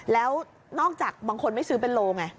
แล้วนอกจากบางคนไม่ซื้อเป็นโลไง